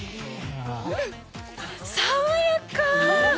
爽やか！